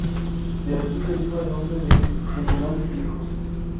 De allí deriva el nombre de "Tribunales Viejos".